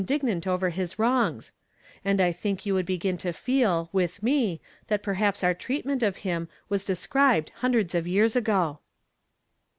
gnant over his wrongs ; and I think vou would begin to feel, with me, that perhaps our treatment of him was described hundreds of years aijo.